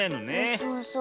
そうそう。